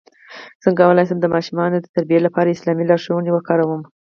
څنګه کولی شم د ماشومانو د تربیې لپاره اسلامي لارښوونې وکاروم